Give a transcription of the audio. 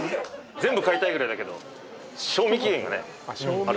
全部買いたいぐらいだけど消費期限が。